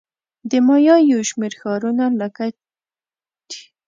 د مایا یو شمېر ښارونه لکه تیکال او کالاکمول ډېر ستر وو